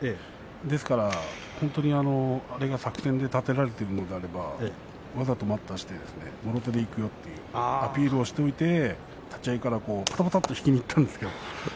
ですから、あれが作戦で立てられているのであればわざと待ったをしてもろ手でいくよというアピールをしておいて立ち合いから、ぱたぱたっと引きにいったんですよ。